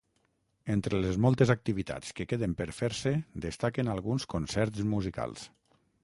Entre les moltes activitats que queden per fer-se destaquen alguns concerts musicals.